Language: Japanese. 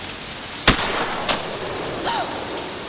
あっ！